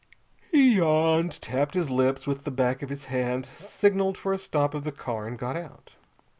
He yawned, tapping his lips with the back of his hand, signaled for a stop of the car, and got out.